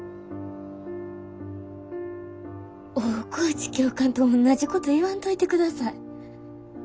大河内教官とおんなじこと言わんといてください。